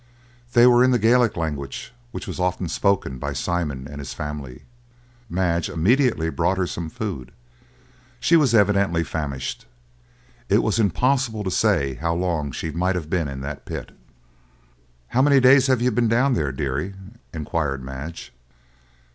They were in the Gaelic language, which was often spoken by Simon and his family. Madge immediately brought her some food; she was evidently famished. It was impossible to say how long she might have been in that pit. "How many days had you been down there, dearie?" inquired Madge.